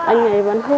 anh ấy vẫn hút